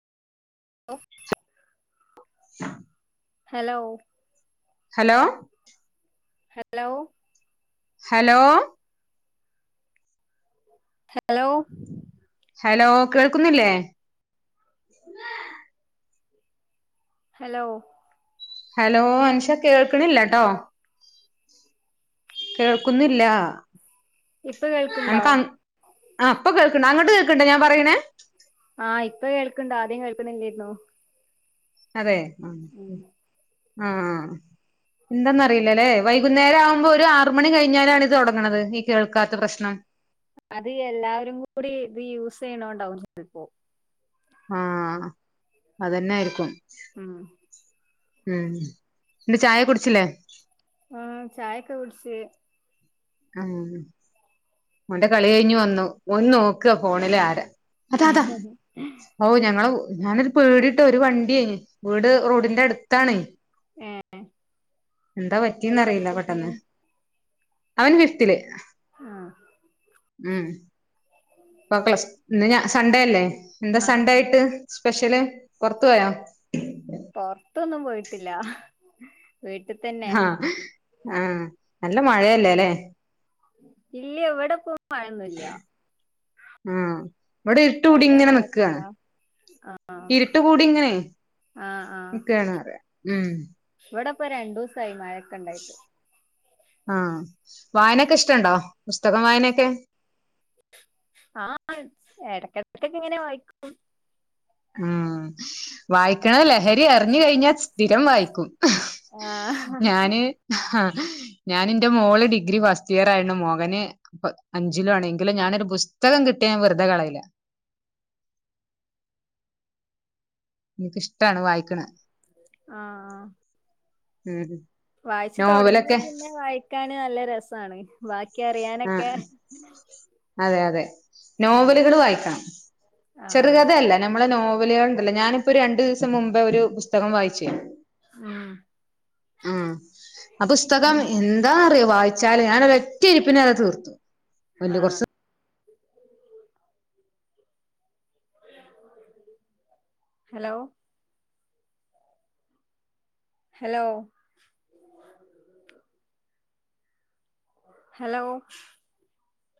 Hello hello hello hello hello hello കേൾക്കുന്നില്ലേ? Hello hello Ansha കേൾക്കണില്ലാട്ടോ കേൾക്കുന്നില്ല ഇപ്പൊ കേൾക്ക്ണ്ടോ നമക്ക് അന്ന് ആ ഇപ്പ കേൾക്കണ്ട് അങ്ങട്ട് കേക്ണ്ട് ഞാൻ പറയണേ ആഹ് ഇപ്പ കേൾക്കണ്ടോ ആദ്യം കേൾക്കുന്നില്ലുന്ന അതെ ആ ആഹ് എന്തെന്നറിയില്ലല്ലേ. വൈകുന്നേരാമ്പോ ഒരാറു മണികഴിഞ്ഞാലാണ് ഇത് തൊടങ്ങണത് ഈ കേൾക്കാത്ത പ്രശ്നം. അത് എല്ലാവരും കൂടി ഇത് യൂസ് ചെയ്യണോണ്ടാവും ചെൽപ്പോ. ആഹ് അതന്നെയാരിക്കും ഉം ഉം പിന്നെ ചായ കുടിച്ചില്ലേ? ആഹ് ചായെക്ക കുടിച്ച്. മോന്റെ കളി കഴിഞ്ഞു വന്നു. ഒന്ന് നോക്കുക ഫോണിലെ ആരാ? അതാ അതാ ഓ ഞങ്ങളു ഞാനൊരു പേടിട്ടോ ഒരു വണ്ട്യേ വീട് റോഡിന്റെടുത്താണോ. ഏഹ് എന്താ എത്രേലാ പറ്റ്യേന്നറില്ല പഠിക്കുന്നെ പെട്ടെന്ന് അവൻ ഫിഫ്തില് ആഹ് ഉം ഒ പ്ലസ്സ് ന്ന് ഞാ സണ്ടേല്ലേ? എന്താ ആഹ് സണ്ടായിട്ട്? സ്പെഷ്യല് പൊറത്തു പോയാ? ത്തില്ല വീട്ടി തന്നെ ആഹ് ആഹ് നല്ല മഴയല്ലേല്ലെ? ഇല്ല എവടെ പോ മഴൊന്നുല്ല. ആഹ് ഇവടെ അവിടെ ഇരുട്ടക്കൂടിങ്ങനെ നിക്ക മഴൊക്കെണ്ടോ ആഹ് ഇരുട്ട് കൂടിയിങ്ങനെ ആഹ് ആഹ് നിക്കാന്ന പറയ ഉം. ഇപ്പ രണ്ടു ദിവ്സായി മഴ ആഹ് വായനെക്കെ ഇഷ്ടുണ്ടോ? പുസ്തകം വായനേക്കെ. ആഹ് എടെക്കെടക്കെക്കെങ്ങനെ വായിക്കും. ഉം വായിക്കണ ലഹരി അറിഞ്ഞു കഴിഞ്ഞാൽ സ്ഥിരം വായിക്കും. ആഹ് ഞാന് ഹ് ഞാൻ എന്റെ മോള് ഡിഗ്രി ഫസ്റ്റ് ഇയർ ആയണ്ട്. മോകന് പ അഞ്ചിലാണെങ്കിലും ഞാനൊരു ബുസ്തകം കിട്ടിയ വെറുതെ കളയില്ല. എനിക്കിഷ്ടാണ് വായിക്കണ് ആഹ് ആഹ് ഉം വായിച്ച് തൊടങ്ങിയ നോവലൊക്കെ പിന്നെ വായിക്കാൻ ന് നല്ല രെസാണ് വ ആ അതെ അതെ ഉം നോവെലുകള് വായിക്കണം ആഹ് ചെറുകഥയല്ല നമ്മള നോ വലുകളുണ്ടല്ലോ ഞാനിപ്പോ രണ്ട് ദിസം മുമ്പ് ഒരു പുസ് പുസ്തകം വായിച്ചേ ഉം ഉം ആഹ് പുസ്തകം എന്താ അറിയോ വായിച്ചാല് ഞാൻ ഒരൊറ്റ ഇരി പിന്നെ അത് തീർത്തു വലിയ ആഹ് കുറച്ച് ഹലോ ഹലോ ഹലോ